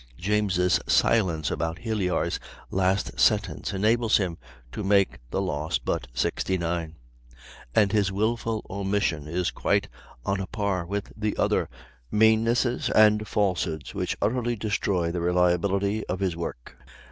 James' silence about Hilyat's last sentence enables him to make the loss but 69, and his wilful omission is quite on a par with the other meannesses and falsehoods which utterly destroy the reliability of his work.